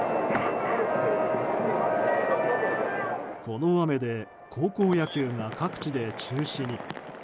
この雨で高校野球が各地で中止に。